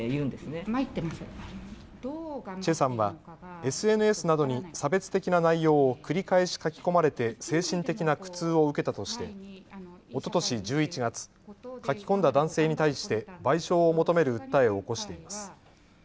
崔さんはＳＮＳなどに差別的な内容を繰り返し書き込まれて精神的な苦痛を受けたとしておととし１１月、書き込んだ男性に対して賠償を求める訴えを起こしています。